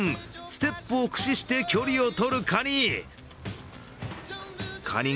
ステップを駆使して、距離をとるカニ。